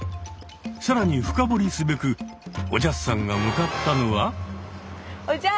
更に深掘りすべくおじゃすさんが向かったのは。